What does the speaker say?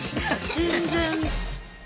全然。